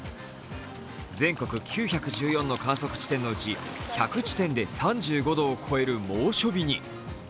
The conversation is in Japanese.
全国９１４の観測地点のうち１００地点で３５度を超える猛暑日に。